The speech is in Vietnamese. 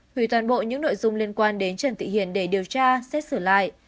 hủy toàn bộ những nội dung liên quan đến trần thị hiền để điều tra xét xử lại